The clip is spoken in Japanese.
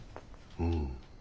うん。